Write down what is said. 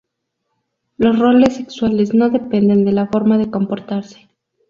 Los roles sexuales no dependen de la forma de comportarse.